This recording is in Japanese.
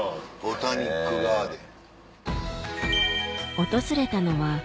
「ボタニックガーデン」。